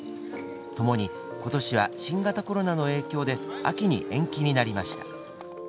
ともにことしは新型コロナの影響で秋に延期になりました。